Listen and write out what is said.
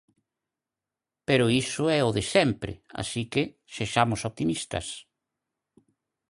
Pero iso é o de sempre, así que sexamos optimistas.